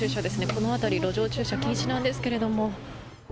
この辺り路上駐車禁止なんですけれども。